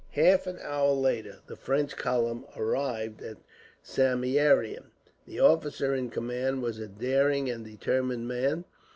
Half an hour later, the French column arrived at Samieaveram. The officer in command was a daring and determined man.